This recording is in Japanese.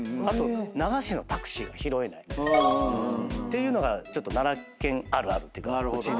あと流しのタクシーが拾えないっていうのが奈良県あるあるっていうか。